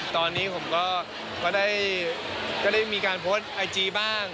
ตอนนี้ผมก็ได้มีการโพสต์ไอจีบ้าง